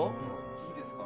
いいですか？